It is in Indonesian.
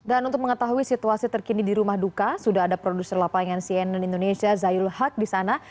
dan untuk mengetahui situasi terkini di rumah duka sudah ada produser lapangan cnn indonesia zayul haq di sana